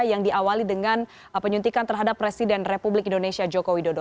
yang diawali dengan penyuntikan terhadap presiden republik indonesia joko widodo